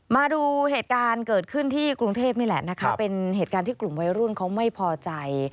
มาดูเหตุการณ์เกิดขึ้นที่กรุงเทพนี่แหละนะคะเป็นเหตุการณ์ที่กลุ่มวัยรุ่นเขาไม่พอใจ